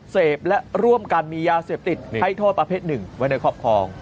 เสพและร่วมกันมียาเสพติดให้โทษประเภทหนึ่งไว้ในครอบครอง